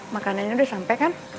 makanannya udah sampe kan